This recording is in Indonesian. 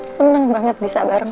seneng banget bisa bersama